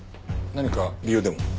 何か理由でも？